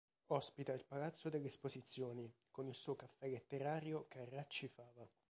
Ospita il Palazzo delle Esposizioni, con il suo Caffè Letterario Carracci Fava.